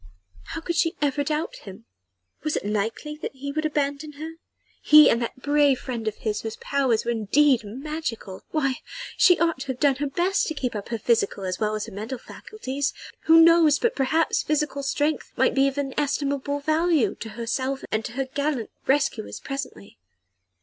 How could she ever doubt him? Was it likely that he would abandon her? he and that brave friend of his whose powers were indeed magical. Why! she ought to have done her best to keep up her physical as well as her mental faculties who knows? But perhaps physical strength might be of inestimable value both to herself and to her gallant rescuers presently.